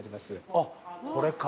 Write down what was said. あっこれか。